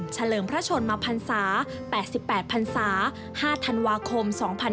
เลิมพระชนมพันศา๘๘พันศา๕ธันวาคม๒๕๕๙